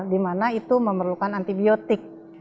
dimana itu memerlukan antibiotik